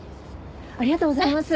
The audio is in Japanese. ありがとうございます。